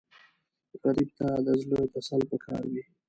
غریب ته د زړه تسل پکار وي